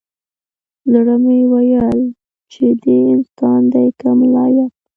زړه مې ويل چې دى انسان دى که ملايک.